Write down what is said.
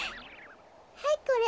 はいこれ。